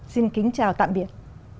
xin kính chào tạm biệt